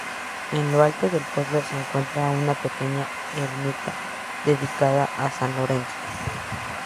En lo alto del pueblo se encuentra una pequeña ermita dedicada a San Lorenzo.